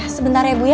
sebentar ya bu